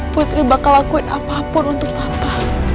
putri bakal lakuin apapun untuk apa